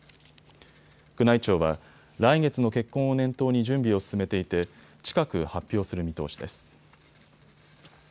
宮内庁は来月の結婚を念頭に準備を進めていて近く発表する見通しです。